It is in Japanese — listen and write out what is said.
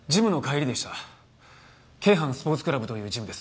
京阪スポーツクラブというジムです。